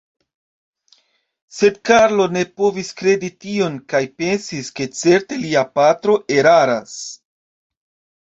Sed Karlo ne povis kredi tion kaj pensis, ke certe lia patro eraras.